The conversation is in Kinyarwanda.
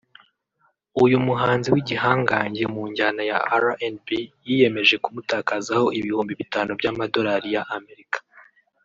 uyu muhanzi w’igihangange mu njyana ya RnB yiyemeje kumutakazaho ibihumbi bitanu by’amadorali y’Amerika